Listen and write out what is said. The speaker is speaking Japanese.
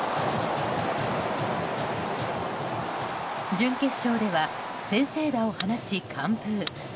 準決勝では先制打を放ち完封。